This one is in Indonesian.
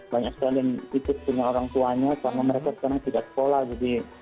banyak sekali yang ikut dengan orang tuanya karena mereka sekarang tidak sekolah jadi